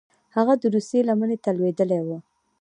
هغه د روسیې لمنې ته لوېدلي وه.